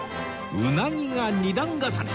うなぎが２段重ね！